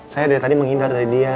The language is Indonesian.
saya dari tadi menghindar dari dia